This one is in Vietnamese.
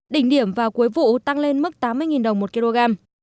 đỉnh điểm vào cuối vụ tăng lên mức tám mươi đồng một kg